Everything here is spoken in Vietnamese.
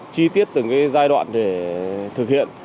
chi tiết từng giai đoạn để thực hiện